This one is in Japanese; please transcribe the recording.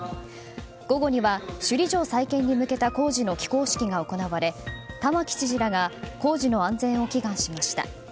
午後には首里城再建に向けた工事の起工式が行われ玉城知事らが工事の安全を祈願しました。